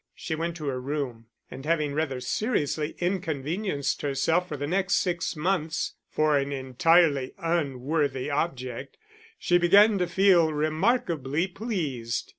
She went to her room; and having rather seriously inconvenienced herself for the next six months, for an entirely unworthy object, she began to feel remarkably pleased.